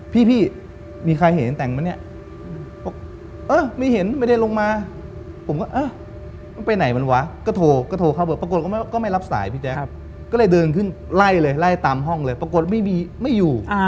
พี่มีใครเห็นจ้างแตงไหมเนี่ย